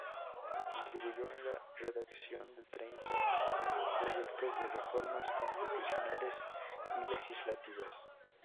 Contribuyó en la redacción de treinta y un proyectos de reformas constitucionales y legislativas.